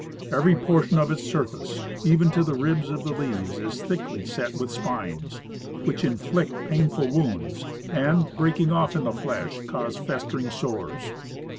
Every portion of its surface, even to the ribs of the leaves, is thickly set with spines, which inflict painful wounds, and, breaking off in the flesh, cause festering sores.